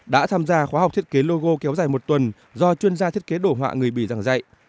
đã tham gia khóa học thiết kế logo kéo dài một tuần do chuyên gia thiết kế đổ họa người bỉ giảng dạy